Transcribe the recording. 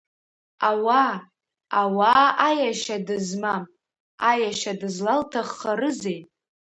Ауаа, ауаа аиашьа дызмам, аиашьа дызлалҭаххарызеи?!